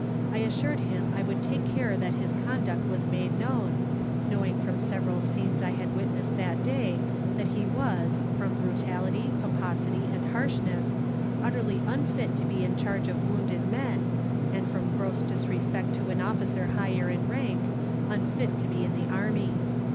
I assured him I would take care that his conduct was made known, knowing from several scenes I had witnessed that day that he was, from brutality, pomposity and harshness, utterly unfit to be in charge of wounded men, and from gross disrespect to an officer higher in rank, unfit to be in the army.